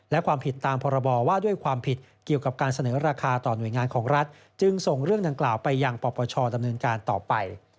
และความผิดตามพรบว่าด้วยความผิดเกี่ยวกับการเสนอราคาต่อหน่วยงานของรัฐจึงส่งเรื่องดังกล่าวไปยังปปชดำเนินการต่อไป